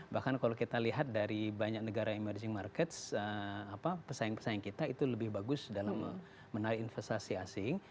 bahkan kalau kita lihat dari banyak negara emerging markets pesaing pesaing kita itu lebih bagus dalam menarik investasi asing